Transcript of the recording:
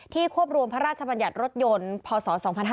ควบรวมพระราชบัญญัติรถยนต์พศ๒๕๕๙